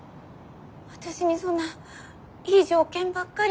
私にそんないい条件ばっかり。